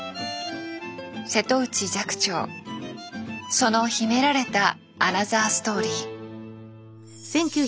その秘められたアナザーストーリー。